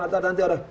atau nanti ada